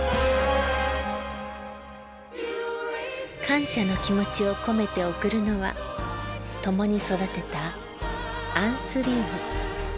感謝の気持ちを込めて贈るのはともに育てたアンスリウム。